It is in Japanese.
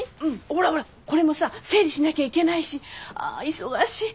ほらほらこれもさ整理しなきゃいけないしあ忙しい。